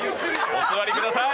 お座りください！